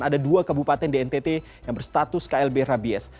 ada dua kabupaten di ntt yang berstatus klb rabies